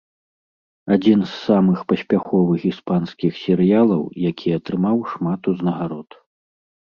Адзін з самых паспяховых іспанскіх серыялаў, які атрымаў шмат узнагарод.